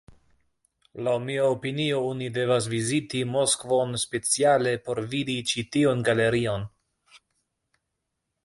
Laŭ mia opinio, oni devas viziti Moskvon speciale por vidi ĉi tiun galerion.